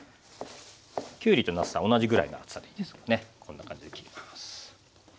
きゅうりとなすは同じぐらいの厚さでいいですからねこんな感じで切ります。